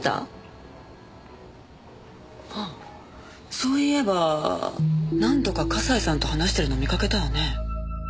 あそういえば何度か笠井さんと話してるの見かけたわね。